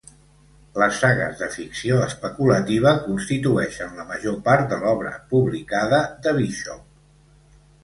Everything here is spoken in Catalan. Les sagues de ficció especulativa constitueixen la major part de l'obra publicada de Bishop.